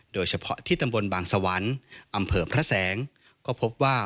โดยเฉพาะที่ตำบลบางสวรรค์อำเภอพระแสงก็พบว่า